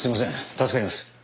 助かります。